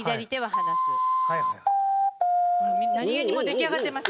何げにもう出来上がってます。